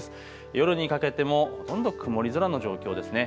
夜にかけてもほとんど曇り空の状況ですね。